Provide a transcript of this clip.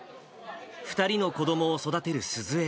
２人の子どもを育てる鈴江